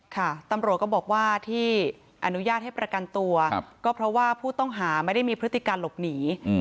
ค่ะตำรวจก็บอกว่าที่อนุญาตให้ประกันตัวก็เพราะว่าผู้ต้องหาไม่ได้มีพฤติการหลบหนี